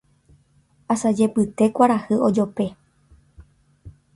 Asajepyte kuarahy ojope.